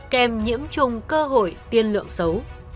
kèm nhiễm chùng cơ hội tiên lượng xấu